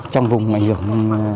trong vùng ảnh hưởng